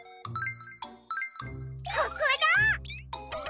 ここだ！